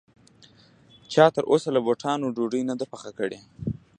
چا تر اوسه له بوټانو ډوډۍ نه ده پخه کړې